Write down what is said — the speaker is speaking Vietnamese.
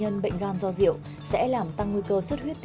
đem đến kết quả điều trị tốt nhất